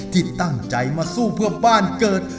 ที่ตั้งใจมาสู้เพื่อบ้านเกิด